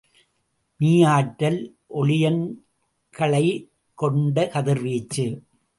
மீயாற்றல் ஒளியன்களைக் கொண்ட கதிர்வீச்சு.